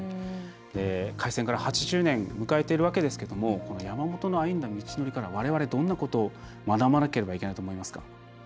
開戦から８０年迎えているわけですけども山本が歩んだ道のりからわれわれどんなことを学ばなければいけないと思いますか？